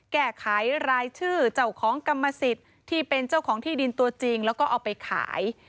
แก้ไขรายชื่อเจ้าของกรรมสิทธิ์ที่เป็นเจ้าของที่ดินตัวจริงแล้วก็เอาไปขาย